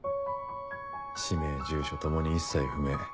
氏名住所共に一切不明。